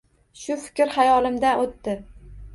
Shu fikr xayolimdan o‘tdi.